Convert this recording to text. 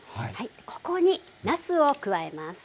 ここになすを加えます。